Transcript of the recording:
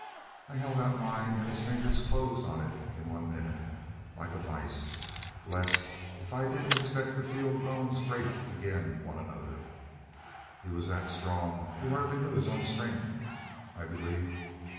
I held out mine and his fingers closed on it one minute, like a vice blest if I didn't expect to feel the bones grate agin one another; he was that strong he hardly knew his own strength, I believe.